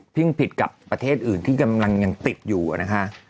เพิ่งผิดกับประเทศอื่นที่กำลังติดอยู่นะครับ